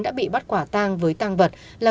đã bị bắt quả tang với tang vật là